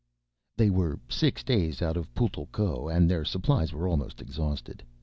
X They were six days out of Putl'ko and their supplies were almost exhausted.